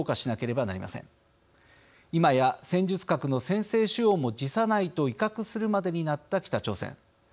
今や戦術核の先制使用も辞さないと威嚇するまでになった北朝鮮。